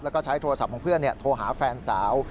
แล้วก็ใช้โทรศัพท์ของเพื่อนโทรหาแฟนสาว